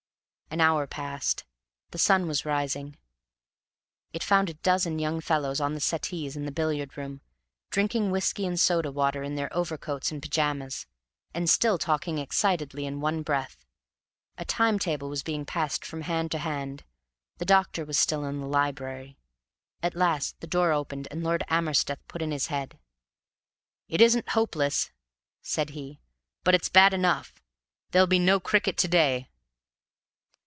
An hour passed: the sun was rising. It found a dozen young fellows on the settees in the billiard room, drinking whiskey and soda water in their overcoats and pyjamas, and still talking excitedly in one breath. A time table was being passed from hand to hand: the doctor was still in the library. At last the door opened, and Lord Amersteth put in his head. "It isn't hopeless," said he, "but it's bad enough. There'll be no cricket to day."